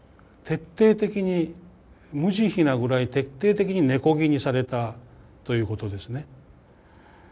徹底的に無慈悲なぐらい徹底的に根こぎにされたということですね。